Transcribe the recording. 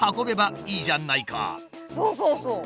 そうそうそう！